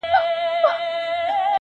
چوروندک ته هره ورځ راتلل عرضونه!.